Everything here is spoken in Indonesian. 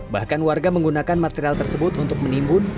bahkan warga menggunakan material tersebut untuk menimbun